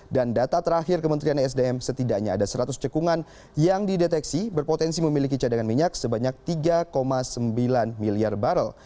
dan data terakhir kementerian esdm setidaknya ada seratus cekungan yang dideteksi berpotensi memiliki cadangan minyak sebanyak tiga sembilan miliar barrel